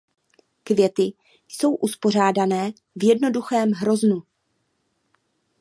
Květy jsou uspořádané v jednoduchém hroznu.